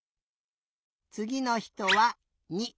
つぎのひとは２。